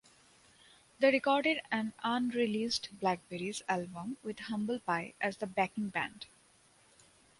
They recorded an unreleased Blackberries album with Humble Pie as the backing band.